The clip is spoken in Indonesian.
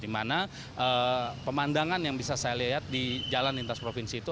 dimana pemandangan yang bisa saya lihat di jalan lintas provinsi itu